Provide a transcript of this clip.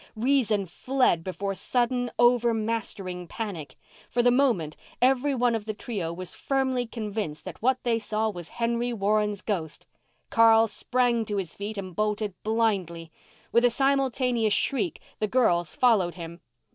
Reason fled before sudden, over mastering panic. For the moment every one of the trio was firmly convinced that what they saw was Henry Warren's ghost. Carl sprang to his feet and bolted blindly. With a simultaneous shriek the girls followed him.